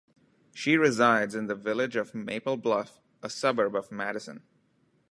She resides in the village of Maple Bluff, a suburb of Madison.